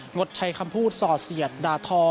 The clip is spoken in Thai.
งดใช้คำพูดส่อเสียดด่าทอ